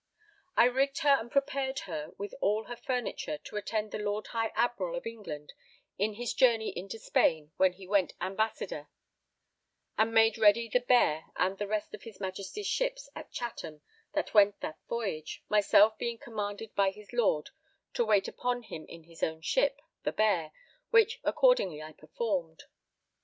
_ I rigged her and prepared her with all her furniture to attend the Lord High Admiral of England in his journey into Spain when he went Ambassador, and made ready the Bear and the rest of his Majesty's ships at Chatham that went that voyage, myself being commanded by his Lordship to wait upon him in his own ship, the Bear, which accordingly I performed.